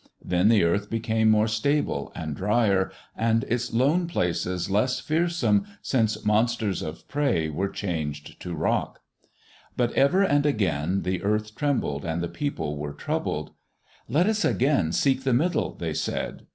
Then the earth became more stable, and drier, and its lone places less fearsome since monsters of prey were changed to rock. But ever and again the earth trembled and the people were troubled. "Let us again seek the Middle," they said.